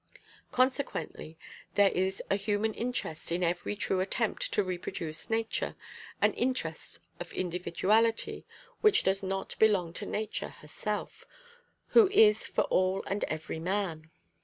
Consequently there is a human interest in every true attempt to reproduce nature, an interest of individuality which does not belong to nature herself, who is for all and every man.